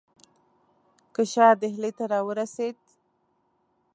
که شاه ډهلي ته را ورسېد.